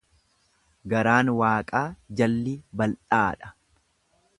Garaan waaqaa jalli bal'aadha.